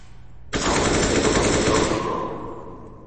άρχισε το Βασιλόπουλο.